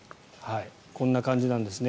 こんな感じなんですね。